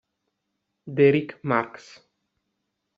Derrick Marks